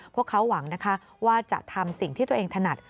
พวกเขาหวังนะคะว่าจะทำสิ่งที่ตัวเองถนัด